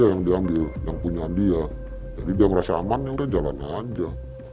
yang dia ambil yang punya dia ini jangan malenya jalan aja